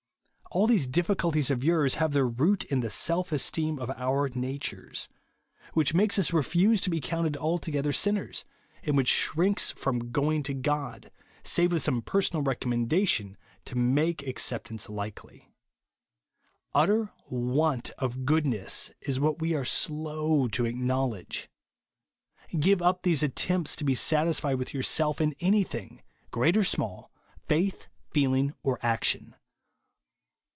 All these difficulties of yours have their root in the self esteem of our natures, wliich 180 JESUS ONLY. makes us refuse to be counted altogethei sinners, and wbicli shrinks from going to God, save with some personal recommenda tion to make acceptance likely. Utter want of goodness is Avhat we are slow to acknowledge. Give up these attempts to be satisfied with yourself in anything, great or small, faith, feeling, or action.